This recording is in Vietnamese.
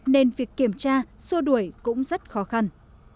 nên việc kiểm tra xua đuổi cũng rất khó khăn